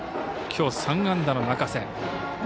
きょう、３安打の中瀬。